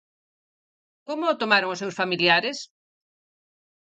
Como o tomaron os seus familiares?